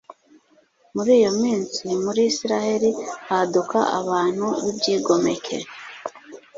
muri iyo minsi, muri israheli haduka abantu b'ibyigomeke